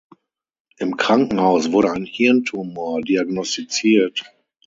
Im Krankenhaus wurde ein Hirntumor diagnostiziert.